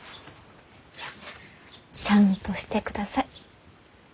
シャンとしてください。